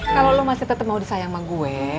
kalau lo masih tetap mau disayang sama gue